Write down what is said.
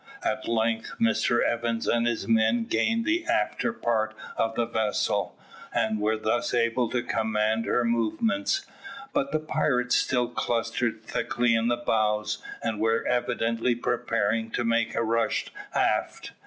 At length Mr Evans and his men gained the afterpart of the vessel, and were thus able to command her movements, but the pirates still clustered thickly in the bows, and were evidently preparing to make a rush aft.